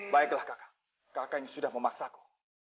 baiklah kakak kakak ini sudah memaksaku